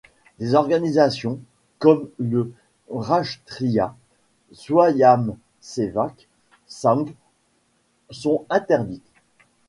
Des organisations, comme le Rashtriya Swayamsevak Sangh, sont interdites.